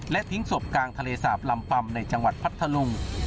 และทิ้งศพกลางทะเลสาบลำปำในจังหวัดพัทธลุง